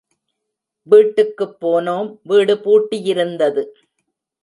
வீட்டுக்குப் போனோம், வீடு பூட்டியிருந்தது.